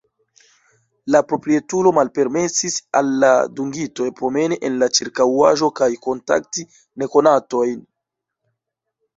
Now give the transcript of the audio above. La proprietulo malpermesis al la dungitoj promeni en la ĉirkaŭaĵo kaj kontakti nekonatojn.